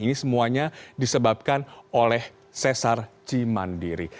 ini semuanya disebabkan oleh sesar cimandiri